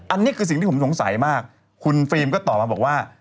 อันนี้คือสิ่งที่ผมสงสัยมากคุณฟิล์มก็ตอบมาบอกว่า